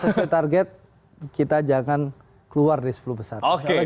sese target kita jangan keluar di sepuluh besar